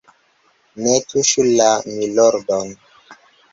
ne tuŝu la _milordon_.